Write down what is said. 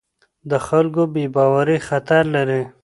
د خلکو بې باوري خطر لري